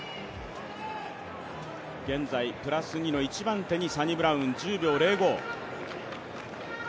現在、プラス２の一番手にサニブラウン、１０秒０５。